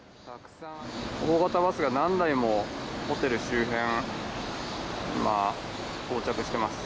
大型バスが何台もホテル周辺、今、到着してます。